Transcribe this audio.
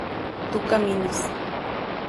tú caminas